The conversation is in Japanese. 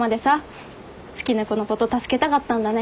好きな子のこと助けたかったんだね。